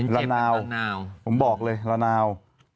ละนาวผมบอกเลยละนาว